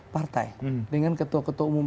partai dengan ketua ketua umum